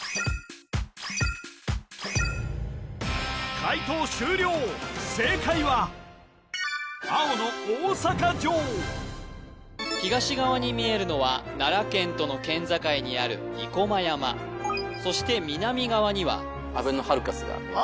解答終了正解は東側に見えるのは奈良県との県境にある生駒山そして南側にはあべのハルカスがああ！